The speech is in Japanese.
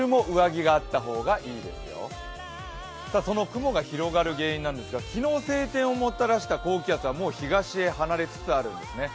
雲が広がる原因なんですが、昨日晴天をもたらした高気圧は、もう東へ離れつつあるんですね。